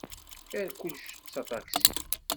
Err kullec s aṭaksi.